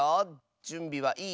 じゅんびはいい？